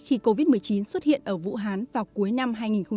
khi covid một mươi chín xuất hiện ở vũ hán vào cuối năm hai nghìn một mươi chín